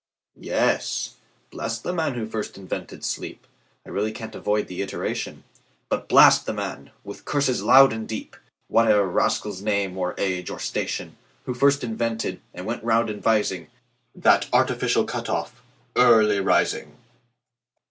Yes; bless the man who first invented sleep(I really can't avoid the iteration),But blast the man, with curses loud and deep, Whate'er the rascal's name, or age, or station, Who first invented, and went round advising, That artificial cut off, Early Rising!